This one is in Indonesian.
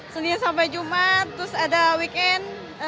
senin sampai jumat terus ada weekend